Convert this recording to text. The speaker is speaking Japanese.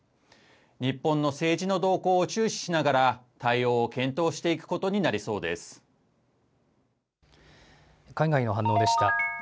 日本の政治の動向を注視しながら、対応を検討していくことになりそ海外の反応でした。